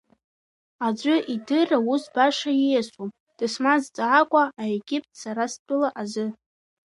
Аӡәы идырра ус баша ииасуам, дысмазҵаакуа аегипт сара стәыла азы.